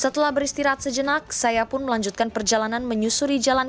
setelah beristirahat sejenak saya pun melanjutkan perjalanan menyusuri jalan